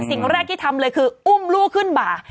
สิ่งแรกที่ทำเลยคืออุ้มลูกขึ้นบ่า